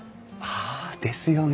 はあですよね。